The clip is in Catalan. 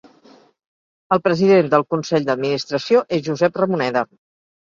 El president del Consell d'administració és Josep Ramoneda.